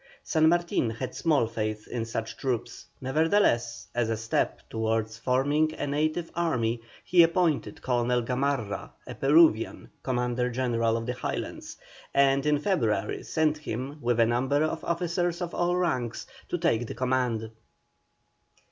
San Martin had small faith in such troops, nevertheless, as a step towards forming a native army, he appointed Colonel Gamarra, a Peruvian, Commandant General of the Highlands, and in February sent him, with a number of officers of all ranks, to take the command.